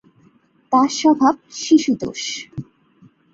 তার স্বভাব শিশুতোষ।